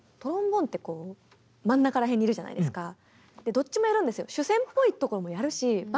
どっちもやるんですよ。